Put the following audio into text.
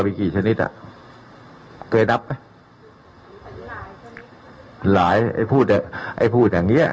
มีกี่ชนิดอ่ะเคยนับไหมหลายไอ้พูดอ่ะไอ้พูดอย่างเงี้